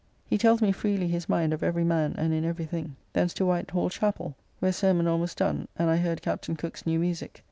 He tells me freely his mind of every man and in every thing. Thence to White Hall chapel, where sermon almost done, and I heard Captain Cooke's new musique.